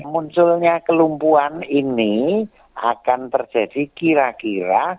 munculnya kelumpuan ini akan terjadi kira kira